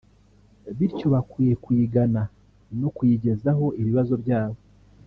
bityo bakwiye kuyigana no kuyigezaho ibibazo byabo